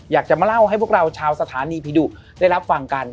อยากจะมาเล่าให้พวกเราชาวสถานีผีดุได้รับฟังกัน